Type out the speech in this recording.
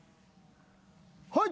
はい！